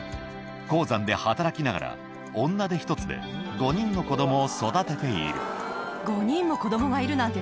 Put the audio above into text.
鉱山で働きながら女手ひとつで５人の子供を育てているまぁね。